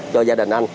cho gia đình anh